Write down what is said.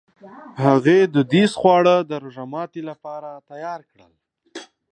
هغې دودیز خواړه د روژهماتي لپاره تیار کړل.